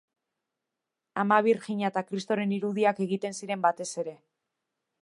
Ama Birjina eta Kristoren irudiak egiten ziren batez ere.